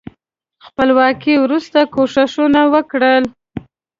خپلواکۍ وروسته کوښښونه وکړل.